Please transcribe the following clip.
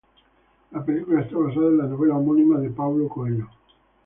La película está basada en la novela homónima de Paulo Coelho.